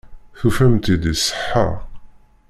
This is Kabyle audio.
Tufamt-t-id iṣeḥḥa.